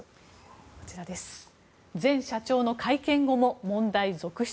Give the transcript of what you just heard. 前社長の会見後も問題続出。